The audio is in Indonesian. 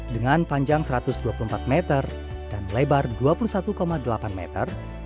dengan panjang satu ratus dua puluh empat meter dan lebar dua puluh satu delapan meter